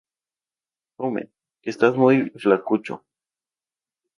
¡Come, que estás muy flacucho!